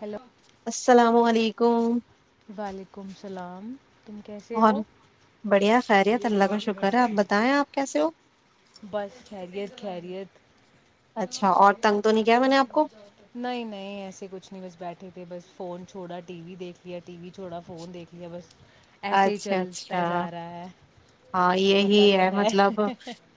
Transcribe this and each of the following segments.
hello السلام علیکم وعلیکم السلام تم کیسے اور ہو بڑھیا خیریت اللہ کا شکر ہے آپ بتائیں آپ کیسے ہو بس خریت خیریت اچھا اور تنگ تو نہیں کیا میں نے آپ کو نہیں نہیں ایسے کچھ نہیں بس بیٹھے تھے بس فون چھوڑا ٹی وی دیکھ لیا ٹی وی چھوڑا فون دیکھ لیا بس ایسے ہی اچھا چلتا اچھا جا رہا ہے ہاں یہی پتہ تو ہے مطلب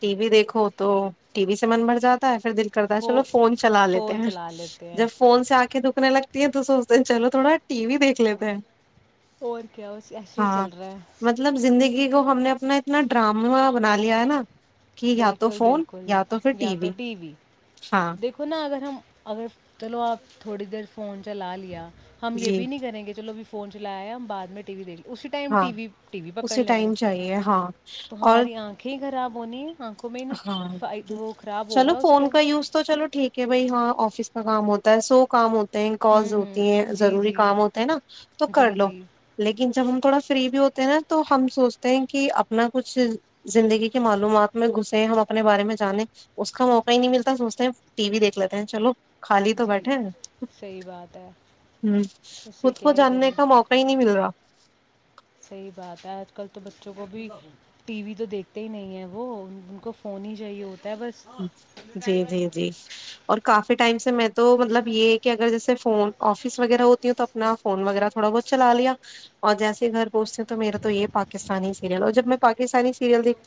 ٹی وی دیکھو تو ٹی وی سے من بڑ جاتا ہے دل کرتا ہے فو چلو فون چلا لیتے فون ہیں چلا لیتے ہیں جب فون سے آ کے دکنے لگتی ہیں تو سوچتے ہیں چلو تھوڑا ٹی وی دیکھ لیتے ہیں اور کیا اس ایسا ہی ہاں چل رہا ہے مطلب زندگی ہم نے اس میں اتنا ڈرامہ بنا لیا ہے نا کہ یا تو بالکل فون بالکل یا تو پھر یا تو ٹی وی ہاں دیکھو نا اگر ہم اگر چلو آپ تھوڑی دیر فون چلا لیا ہم یہ جی بھی نہیں کریں گے چلو ا فون چلایا ہم بع میں وی دیکھے اسی ٹائم ہاں ٹی وی ٹی وی پکڑ اسی لیں گے ٹائم چاہیے ہاں تو اور ہماری آنکھیں ہی خراب ہونی ہیں آنکھوں میں ہی نق- ہاں وہ خراب ہو چلو رہا ہے اس کے فون کا یوز تو چلو ٹھیک ہے بھائی ہاں آفس کام ہوتا ہے سو کام ہوتا کال ہوں ہوں ہوتی ہیں جی ضروری جی کام ہوتے ہیں نا تو کر جی لو جی لیکن جب ہم تھوڑا فری بھی ہوتے ہیں نا تو ہم سوچتے ہیں کہ اپنا کچھ زندگی کے معلومات میں گ ہم اپنے بارے میں جانیں اس کا موقع ہی نہیں ملتا سوچتے ہیں ٹی وی دیکھ لیتے ہیں چلو خالی تو جی بیٹھے ن صحیح بات ہے ہ اس سے خود کو کیا ہی جاننے کریں کا موقع ہی نہیں مل رہا آ کل تو بچوں کو بھی ٹی وی تو دیکھتے ہی نہیں ہے وہ ان کو فون ہی چاہیے ہوتا ہے بس جی جی جی اور کافی ٹائم سے میں تو مطلب یہ کہ اگر جیسے فون آفس وغیرہ ہوتی ہوں تو اپنا فون وغیرہ تھوڑا بہت چلا لیا اور جیسے گھر پوچتے ہو تو میرا تو یہ پاکستانی سل جب میں پاکستانی سیریلیک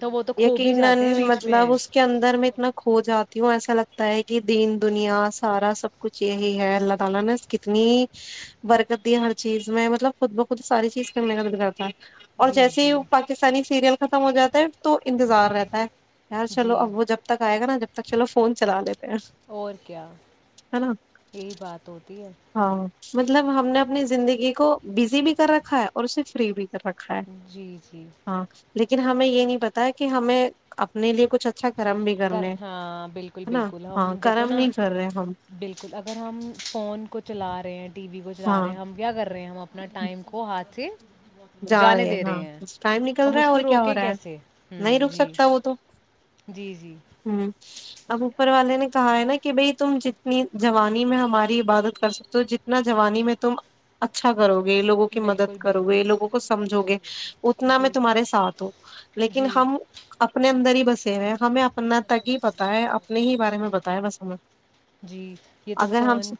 تو وہ تو کھو بھی ہی جاتے ہیں بیچ میں مطلب اس کے اندر میں اتنا کھو جاتی ہوں ایسا لگتا ہے کہ دین دنیا سارا سب کچھ یہی ہے اللہ تعالی نے کتنی برکت دی ہر چیز میں مطلب خود بخود ساری چیز کر میں مدد کرتا ہے اور جی جیسے ہی جی پاکستانی سیریل کا ختم ہو جاتا ہے تو انتظار جی رہتا ہے چلو جی اب وہ جب تک آئے گا نا جب تک چلو فون چلا لیتے ہیں اور کیا نا یہی بات ہوتی ہے ہاں مطلب ہم نے اپنی زندگی کو بزی بھی کر رکھا ہے اور اسے فری بھی رکھا ہے جی جی ہاں لیکن ہمیں یہ نہیں پتا کہ ہمیں اپنے لیے کچھ اچھا کرم بھی کر کرنے ہے ہاں بالکل نا بالکل ہم ہاں دیکھو کرم نا نہیں کر رہے ہم بالکل اگر ہم فون فون کو چلا رہے ہیں ٹی وی کو چلا رہے ہاں ہیں ہم کیا کر رہے ہیں ہم اپنا ٹائم کو ہاتھ سے جا جانے رہے دے ہاں ہیں ٹائم نکل ہم رہا ہے اس اور کو کیا ہو روکیں رہا ہے کیسے نہیں ہوں رک جی سکتا وہ تو جی جی ہوں اب اوپر والے نے کہا ہے نا کہ بھائی تم جتنی جوانی میں ہماری عبادت کر سکتے ہو جتنا جوانی میں تم اچھا کرو گے یہ لووں کی بالکل مدد کرو گے بالکل یہ لگوں کو جھو گے اتنا میں جی تمہارے ساتھ ہوں لیکن جی ہم اپنے اندر ہی بسے ہے ہمیں اپنا تک ہی پتا ہے اپنے ہی بارے میں پتا ہے بس ہمیں جی یہ تو اگر ہم فون سے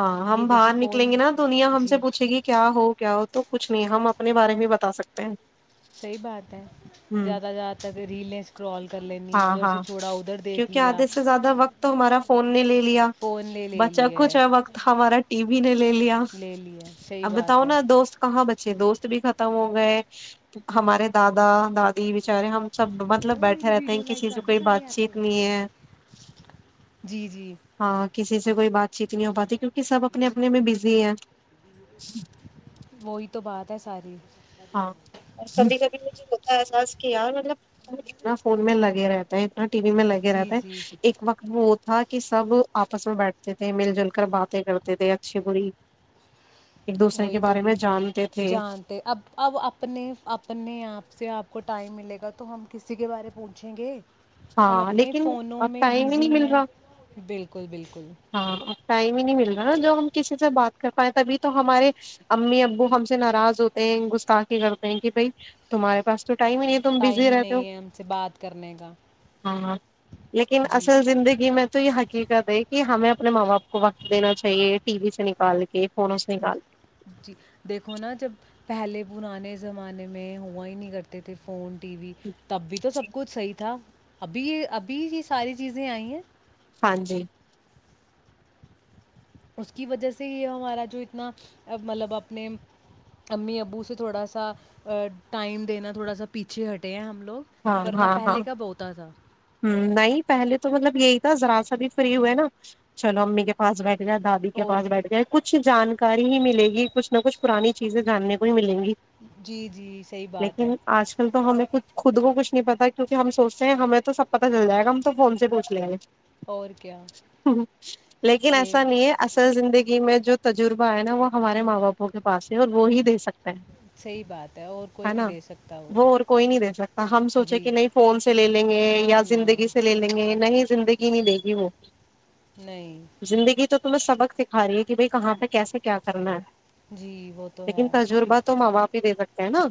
ہاں یہ ہم جیسے باہر فون نکلیں گے نا دنیا ہم سے جی پوچھے گی کیا ہو کیا ہو تو کچھ نہیں ہم اپنے بارے میں بھی بتا سکتے ہیں صحیح بات ہے ہ زیادہ زیادہ تک ریلیں اسکرول کر لینی ہاں ادھر سے ہاں چھوڑا ادھر دیکھ کیونکہ لیا آدھے سے زیادہ وقت تو ہمارا فون نے لے لیا فون لے لے بچا لیا کچھ ہے وقت ہمارا ٹی وی نے لے لیا لے لیا صحیح اب بات بتاؤ ہے نا دوست کہاں ب دوست بھی ختم ہو گئے ہمارے دادا دادی بچارے ہم سب مطلب وہ بیٹھے میری رہتے ہیں ویڈیو لائک کسی سے کر دی کوئی سارے بات ایپ پہ چیت نہیں ہے جی جی ہاں کسی سے سے کوئی بات چیت نہیں ہو پاتی کیونکہ سب اپنے اپنے میں بزی ہیں وہی تو بات ہے ساری ہاں اور کبھی مجھے کبھی بتتا احساس کیا مطلب اتنا فون میں لگے رہتا ہے اتنا ٹی وی میں لگے جی رہتا جی ہے ایک وقت وہ تھا کہ سب آپس میں بیٹھتے تھے مل جل کر باتیں کرتے تھے اچھی بری ایک دوسرے کے وہی تو بارے میں جانتے تھے جانتے اب اب اپنے اپنے آپ سے آپ کو ٹائم ملے گا تو ہم کسی کے بارے پوچھیں گے ہم ہاں اپنے لیکن فونوں اب میں ٹائم ہی بزی نہیں مل ہیں رہا بالکل بالکل ہاں اب ٹائم ہی نہیں مل رہا نا جو ہم کسی سے بات کر پائیں تبھی تو ہمارے امی ابو ہم سے ناراض ہوتے ہیں گستاخے کرتے ہیں کہ بھائی تمہارے پاس تو ٹائم ہی نہیں ہے تم ٹائم بزی ہی رہتے ہو نہیں ہے ہم سے بات کرنے کا ہاں ہاں لیکن جی اصل زندگی میں تو یہ کی دے کہ ہمیں اپنے ماں باپ کو وقت دینا چاہیے ٹی وی سے نکال کے فونوں سے نکال جی دیکھو نا جب پہلے پرانے زمانے میں ہوا ہی نہیں کرتے تھے فون ٹی وی تب بھی تو جی سب کچھ صحیح تھا ابھی یہ ابھی یہ ساری چیزیں آئی ہیں ہاں جی اس کی وجہ سے ہی ہمارا جو اتنا مطلب اپنے امی ابو سے تھوڑا سا ٹائم دینا تھوڑا سا پیچھے ہٹے ہیں ہم لوگ ہاں لوگ ورنہ ہاں ہاں پہلے کا بہتا تھا نہیں پہلے تو مطلب یہی تھا ذرا سابھی فری ہوئے نا چلو امی کے پاس بیٹھ یا دادی کے اور پاس بیٹھ گئے کچھ جانکاری ہی ملے گی کچھ نہ کچھ پرانی چیزیں جاننے کو ہی ملیں گی جی جی صحیح بات ہے لیکن آج کل تو ہمیں کچ خود کو کچھ نہیں پتا کیکہ ہم سوچتے ہیں ہمیں تو سب پتا چل جائے گا ہم تو فون سے پوچھ لیں گے اور کیا ہ لیکن یہ ایسا نہیں ہے اصل زندگی میں جو تجربہ ہے نا وہ ہمارے ماں باپوں کے پاس ہے اور وہ ہی دے سکتے صحیح بات اور کوئی ہے نہیں نا دے سکتا وہ اور کوئی نہیں دے سکتا ہم سوچے جی کہ نہیں فون سے لے لیں گے نہ یا نہ زندگی سے لے لیں گے نہ ہی زندگی نہیں دے گی وہ نہیں تومہیں سبق سکھا رہی ہے کہ بھائی کہاں پہ کیسے کیا کرنا ہے جی وہ تو لیکن ہے تجربہات تو ما باپ دے بکتے ہیں ہے نا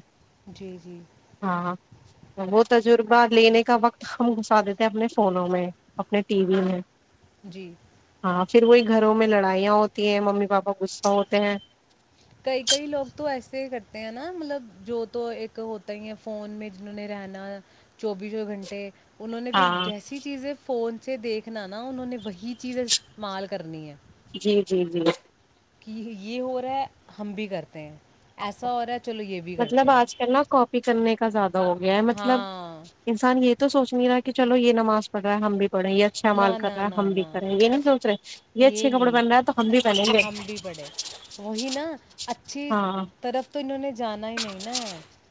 جی جی ہاں وہ تجربہ لینے کا وقت ہم گھسا دیتے اپنے فونوں میں اپنے ٹی وی میں جی ہاں پھر وہی گھروں میں لڑائیاں ہوتی ہیں ممی پاپا غصہ ہوتے ہیں کئی کئی لوگ تو ایسے ہی کرتے ہیں نا مطلب جو تو ایک ہوتا ہی ہے فون میں جنہوں نے رہنا چوبیسوں گھنٹے انہوں نے پھر ہاں جیسی چیزیں فون دیکھنا نا انہوں نے وہی چیزیں استعمال کرنی ہے جی جی جی کہ یہ ہو رہا ہے ہم بھی کرتے ہیں ایسا ہو رہا ہے چلو یہ بھی کرتے ہیں بھی کرنے کا زیادہ ہو گیا ہے مطلب ہاں انسان یہ تو سوچ نہیں رہا ہے کہ چلو یہ نماز پڑ رہا ہے ہم بھی پڑ یہ اچھا مال نہ کر نہ رہا ہے نہ ہم بھی نہ کرے یہ نہیں سوچ رہے یہ اچھے کپڑے پہن رہا ہے تو ہم بھی پہنیں گے ہم بھی بڑھے وہی نا اچھی ہاں طرف تو انہوں نے جانا ہی نہیں نا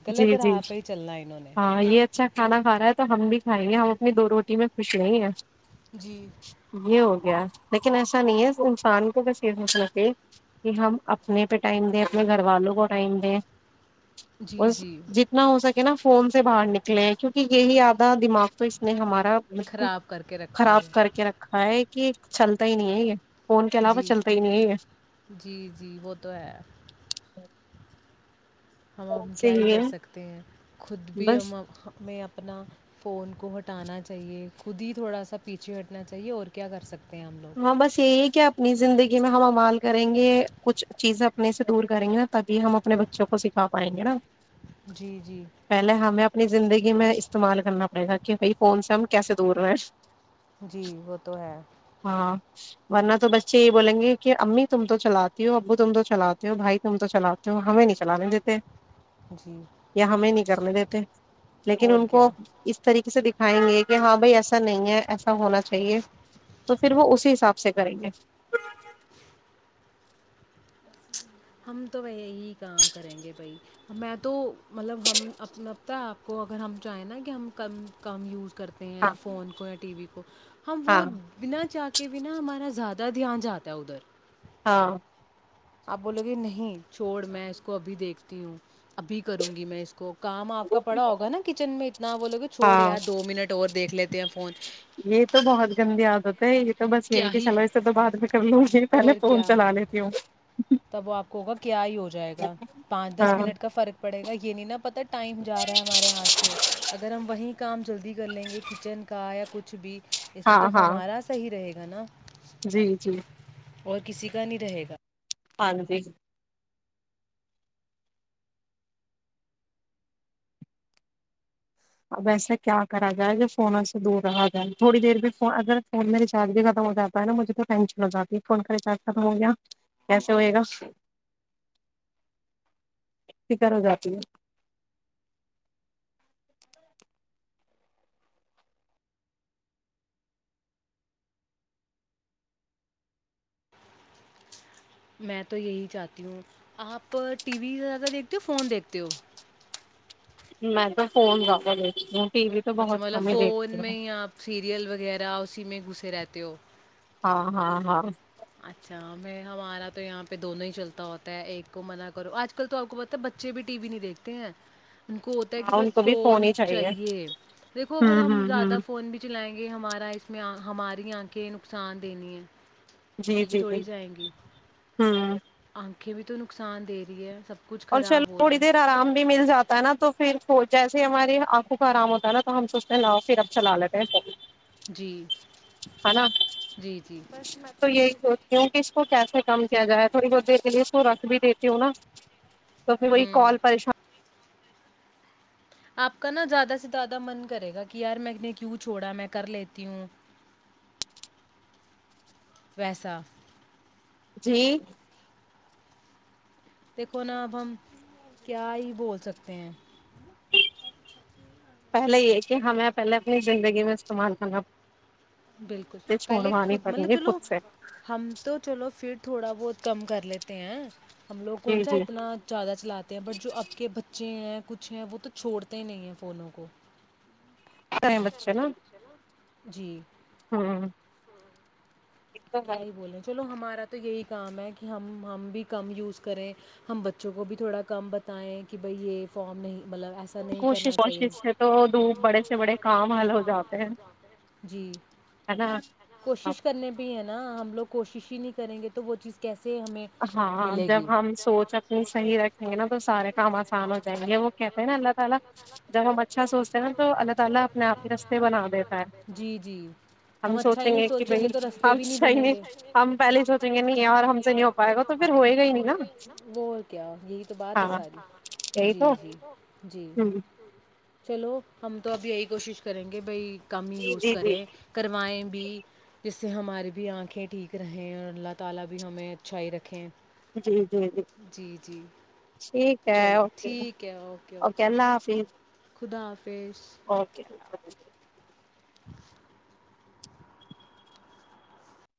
غلط جی جی راہ پہ ہی چلنا انہوں نے ہاں یہ اچھا کھانا کھ رہا ہے تو ہم بھی کھائیں گے ہم اپنی دو روٹی میں خوش نہیں ہیں جی یہ ہو گیا لیکن ایسا نہیں ہے انسان کو بس یہ سوچناک کہ ہم اپنے پہ ٹائم دیں اپنے گھر والوں کو ٹائم دیں جی جی جتنا ہو سکے نا فون سے باہر نکلے ہیں کیونکہ یہی آدا دماغ تو اس نے ہمارا بالکل خراب کر کے رکھا ہوا خراب کر ہے کے رکھا ہے کہ چھلتا ہی نہیں ہے یہ فون کے علاوہ جی چلتا ہی نہیں ہے جی جی وہ تو ہے ہم فون ہم سے کیا ہی ہے کر سکتے ہیں خود بھی بس ہم ہمیں اپ اپنا فون کو ہٹانا چاہیے خود ہی تھوڑا سا پیچھے ہٹنا چاہیے اور کیا کر سکتے ہیں ہم ہاں لوگ بس یہی کیا اپنی زندگی میں ہم استمال کریں گے کچھ چیزیں اپنے سے دور کریں گے نا تبھی ہم اپنے بچوں کو سکھا پائیں گے نا جی جی پہلے ہمیں اپنی زندگی میں استعمال کرنا پڑے گا کہ بھائی کون سےا ہم کیسے دور رہ جی وہ تو ہے ورنہ تو بچے یہ بولیں گے کہ امی تم تو چلاتی ہو ابو تم تو چلاتے ہو بھائی تم تو چلاتے ہو ہمیں نہیں چلانے دیتے جی یا ہمیں نہیں جرنے دتے لیکن اور ان کو کیا اس طریقے سے دیک کھائیں گے کہ ہاں بھائی ایسا نہیں ہے ایسا ہونا چاہیے جاہ گے ہم تو یہی کام کریں گے بھائی میں تو مطلب ہم اپ آپ کو اگر ہم چاہیں نا کہ ہم کم کم یوز کرتے ہیں ہاں فون کو یا ٹی وی کو ہم ہاں وہ بنا چا کے کہ بنا ہمارا زیادہ دھیان جاتا ہے ادھر ہاں آپ بولو گے نہیں چھوڑ میں اس کو ابھی دیکھتی ہوں ابھی کروں گی میں اس کو کام آپ کا پڑا ہوگا نا کچن میں اتنا بولوگے چھوڑ ہاں یار دو منٹ اور دیکھ لیتے تے فون یہ تو بہت گندی عادت ہے یہ تو بس یہی ہے کیا کہ ہی چلو اس سے تو بات میں کر لوں گی پہلے اور فون کیا چلا لیتی ہوں تب وہ آپ کو ہوگا کیا ہی ہو جائے گا پانچ دس ہاں منٹ کا فرق پڑے گا یہ نہیں نا پتا ٹائم جا رہا ہے ہمارے ہاتھ سے اگر ہم وہیں کام جلدی کر لیں گے کچن کا یا کچھ بھی اس میں تو ہاں ہاں ہمارا صحیح رہے گا نا جی جی اور کسی کا نہیں رہے گا پ جی اب ایسا کیا کرا جائے جو فونوں سے دور رہا جائے تھوڑی دیر بھی اگر فون میں ریچارج بھی ختم ہو جاتا ہے نا مجھے تو ٹینشن ہو جاتی ہے فون کا ریچارج ختم ہو گیا کیسے ہوئے گا فکر ہو جاتی ہے میں تو یہی چاہتی ہوں آپ ٹی وی زیادہ دیکھتے ہو فون دیکھتے ہو میں تو فون کراا ل ہوں ٹی وی تو اچھا بہت مطلب کم ہی فون دیکھتی میں ہوں یاپ سیریل وغیرہ اسی میں گھسے رہتے دوو ہاں ہاں ہاں اچھا میں ہمارا تو یہاں پہ دونوں ہی چلتا ہوتا ہے ایک کو منع کرو آج کل تو آپ کو پت ہے بچے بھی ٹی وی نہیں دیکھتے ہیں ان کو ہوتا ہے کہ ہاں ان بس کو بھی فون ہی چاہیے دیکھو اگر ہوں ہم ہوں ہوں زیادہ فون بھی چلائیں گے ہمارا اس ہماری آنکھیں نقصان دینی ہیں جی کسی کی جی تھوڑی جی جائیں گیک ہوں پکھے بھی تو نقصان دے رہی ہے سب کچھ اور چلو خراب ہو رہا تھوڑی دیر ہے آرام بھی مل جاتا ہے نا تو پھر تو جیسے ہماری آنکھوں کا آرام ہوتا ہے نا تو ہم سوچتے پھر اب چلا لیتے ہیں فون جی ہے نا جی جی بس میں تو یہی سوچتی ہوں کہ کیسے کم کیا جائے تھوڑی بہت دیر کے لیے اس کو رکھ بھی دیتی ہوں نا تو پھر وہی ہوں کال پریشان آپ کا نا زیادہ سے زیادہ من کرے گا کہ یار میں نے کیوں چھوڑا میں کر لیتی ہوں ویسا جی دیکھو نا اب ہم کیا ہی بول سکتے ہیں پہلے یہ کہ ہمیں پہلے اپنی زندگی میں استعمال کرنا بالکل پہلے چھوڑوانی خود پڑیں مطلب گی خود چلو سے ہم تو چلو پھر تھوڑا بہت کم کر لیتے ہیں ہم لوگ جی کون سا جی اتنا زیادہ چلاتے ہیں بٹ جو اب کے بچے بچے ہیں کچھ ہیں وہ تو چھوڑتے ہی نہیں ہیں فونوں کو سرے بچے نا جی ہوں تو کیا ہی بولیں چلو ہمارا تو یہی کام ہے کہ ہم ہم بھی کم یوز کریں ہم بچوں کو بھی تھوڑا کم بتائیں کہ بھائی یہ فام نہیں مطلب ایسا نہیں کوشش کرنا چاہیے کوشش سے تو دپ بڑے سے بڑے کام حل ہو جاتے ہیں ہیں جی ہے نا کوشش کرنے ہے نا ہم لوگ کوشش ہی نہیں کریں گے تو وہ چیز کیس جی ہمیں ملے گی جب ہم پانی رکھیں گے نا تو سارے کام ہو جائیں گے وہ کہتے ہیں نا اللہ تعالی جب ہم اچھا سوچتے ہیں تو اللہ تعالا اپنے اپ کو رشتے بنا دے جی جی ہم اچھا ہی نہیں سوچیں گے تو اچھا ہی نہیں ہم پہلے سوچیں گے نہیں اور ہم سے نہیں ہو پائے گا تو پھر ہوئے گا ہی نہیں نا وہ کیا یہی تو بات ہے ہاں ساری یہی جی تو جی جی ہ چلو ہم تو اب یہی کوشش کریں گے بھائی کم ہی جی یوز جی جی کریں کروائیں بھی اس ہمارے بھی انکھیں ٹھیک رہیں اور اللہ تعالا بھی ہمیں اچھائی رکھیں جی جی جی ٹھیک ہے چلو اوکے ٹھیک ہے اوکے اللہ حافظ خدا حافظ اوکے ج